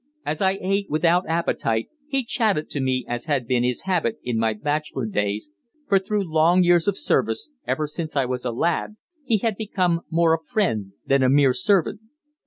As I ate, without appetite, he chatted to me, as had been his habit in my bachelor days, for through long years of service ever since I was a lad he had become more a friend than a mere servant.